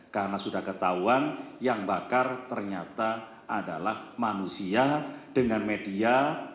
karena sudah ketahuan yang bakar ternyata adalah manusia dengan media